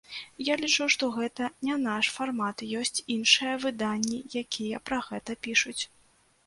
Я лічу, што гэта не наш фармат, ёсць іншыя выданні, якія пра гэта пішуць.